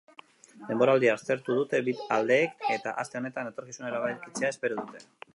Denboraldia aztertu dute bi aldeek eta aste honetan etorkizuna erabakitzea espero dute.